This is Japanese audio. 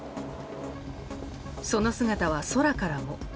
その姿は空からも。